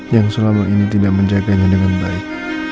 yang selama ini tidak menjaganya dengan baik